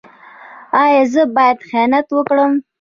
ایا زه باید خیانت وکړم؟